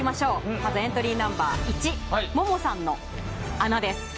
まずエントリーナンバー１ももさんの穴です。